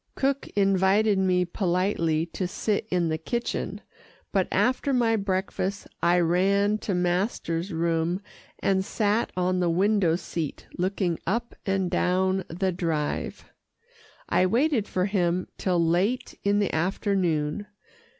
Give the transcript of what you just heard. Cook invited me politely to sit in the kitchen, but after my breakfast I ran to master's room and sat on the window seat looking up and down the Drive. I waited for him till late in the afternoon.